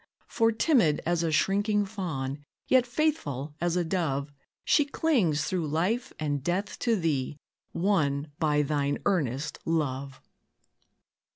For, timid as a shrinking fawn, Yet faithful as a dove, She clings through life and death to thee, Won by thine earnest love.